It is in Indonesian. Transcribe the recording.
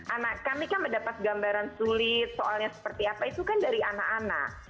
anak kami kan mendapat gambaran sulit soalnya seperti apa itu kan dari anak anak